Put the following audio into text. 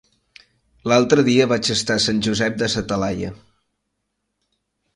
L'altre dia vaig estar a Sant Josep de sa Talaia.